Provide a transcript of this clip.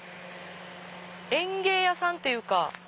園芸屋さんっていうか。